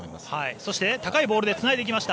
そして、高いボールでつないできました。